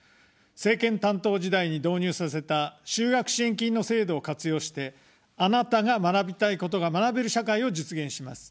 政権担当時代に導入させた就学支援金の制度を活用して、あなたが学びたいことが学べる社会を実現します。